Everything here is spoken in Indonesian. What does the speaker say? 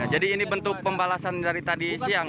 jadi ini bentuk pembalasan dari tadi siang